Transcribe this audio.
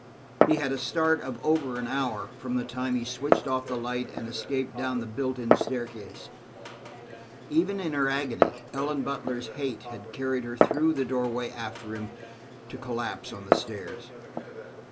He had a start of over an hour; from the time he switched off the light and escaped down the built in staircase. Even in her agony, Ellen Butler's hate had carried her through the doorway after him, to collapse on the stairs.